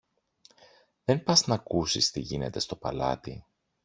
Δεν πας ν' ακούσεις τι γίνεται στο παλάτι;